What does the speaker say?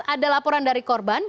ada laporan dari korban